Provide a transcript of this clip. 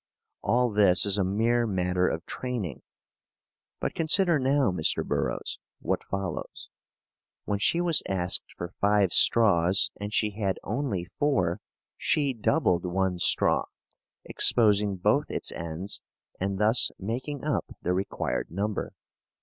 All this is a mere matter of training. But consider now, Mr. Burroughs, what follows. When she was asked for five straws and she had only four, she doubled one straw, exposing both its ends and thus making up the required number.